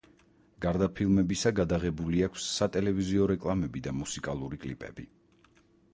გარდა ფილმებისა, გადაღებული აქვს სატელევიზიო რეკლამები და მუსიკალური კლიპები.